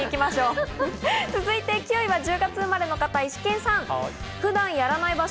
９位は１０月生まれの方、イシケンさん。